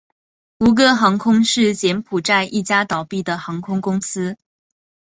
吴哥航空是柬埔寨一家倒闭的航空公司。